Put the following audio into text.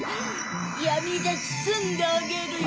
やみでつつんであげるよ！